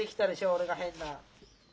俺が変な。